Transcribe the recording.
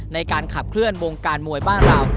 ในการขับเคลื่อนวงการมวยบ้านเรา